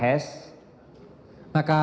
maka saya akan mendapatkan kembali hasilnya